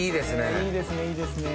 いいですねいいですね。